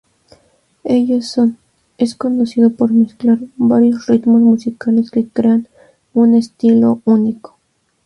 Ellos son es conocido por mezclar varios ritmos musicales que crean un estilo único.